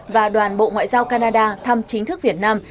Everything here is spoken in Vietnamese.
và đoàn bộ ngoại giao canada thăm chính thức việt nam